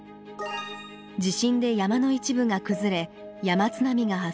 地震で山の一部が崩れ山津波が発生。